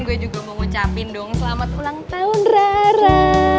gue juga mau ngucapin dong selamat ulang tahun rara